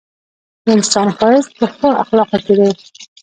د انسان ښایست په اخلاقو کي دی!